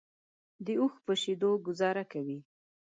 په اوښ شیدو ګوزاره کوي.